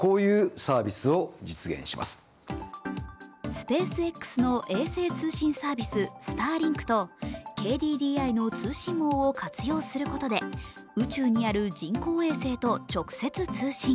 スペースＸの衛星通信サービス、スターリンクとＫＤＤＩの通信網を活用することで、宇宙にある人工衛星と直接通信。